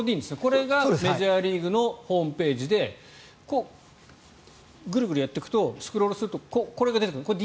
これがメジャーリーグのホームページでグルグルやっていくとスクロールするとこれが出てくるんですね。